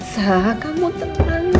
sa kamu tenang